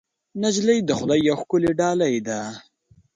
نجلۍ د خدای یوه ښکلی ډالۍ ده.